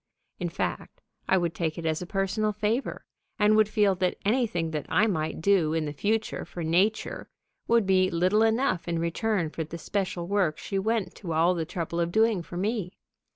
In fact, I would take it as a personal favor, and would feel that anything that I might do in the future for Nature would be little enough in return for the special work she went to all the trouble of doing for me.